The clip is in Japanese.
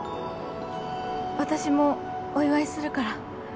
私もお祝いするから。